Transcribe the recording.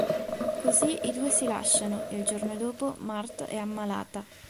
Così i due si lasciano e il giorno dopo Marthe è ammalata.